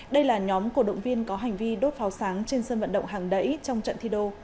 đây là nhóm cổ động viên có hành vi đốt pháo sáng trên sân vận động hàng đẩy trong trận thi đô